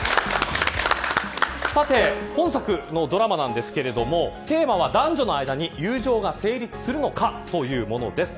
さて、本作のドラマなんですけれどもテーマは男女の間に友情が成立するのかというものです。